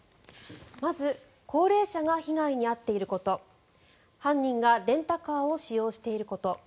まず、高齢者が被害に遭っていること犯人がレンタカーを使用していること